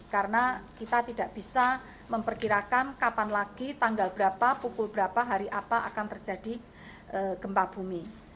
karena kita tidak bisa memperkirakan kapan lagi tanggal berapa pukul berapa hari apa akan terjadi gempa bumi